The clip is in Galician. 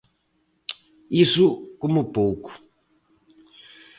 Iso, como pouco.